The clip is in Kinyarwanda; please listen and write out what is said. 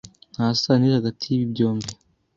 Nta sano iri hagati yibi byombi.